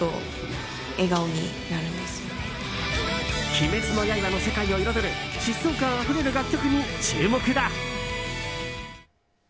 「鬼滅の刃」の世界を彩る疾走感あふれる楽曲に注目だ。